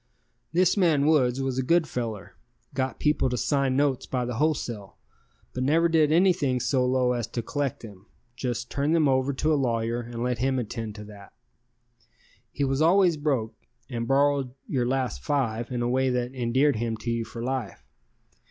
This man Woods was a good fellar, got people to sign notes by the wholesale, but never did anything so low as to collect them, just turned them over to a lawyer and let him attend to that. He was always broke and borrowed your last "five" in a way that endeared him to you for life.